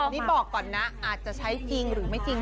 นี่บอกก่อนนะอาจจะใช้จริงหรือไม่จริง